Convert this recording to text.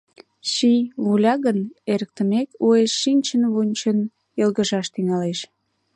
Ший, вуля гын, эрыктымек, уэш чинчын-вунчын йылгыжаш тӱҥалеш.